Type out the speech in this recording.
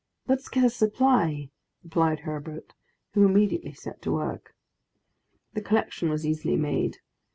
"Let us get a supply," replied Herbert, who immediately set to work. The collection was easily made.